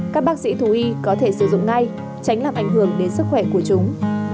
các bác sĩ thú y có thể sử dụng ngay tránh làm ảnh hưởng đến sức khỏe của chúng